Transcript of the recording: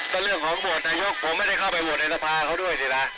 เป็นเรื่องของบทนายกผมไม่ได้เข้าไปบทในสภาเขาด้วยสินะ